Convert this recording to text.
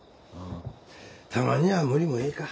たまには無理もええか。